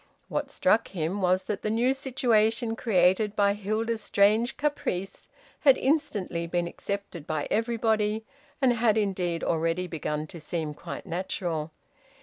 What struck him was that the new situation created by Hilda's strange caprice had instantly been accepted by everybody, and had indeed already begun to seem quite natural.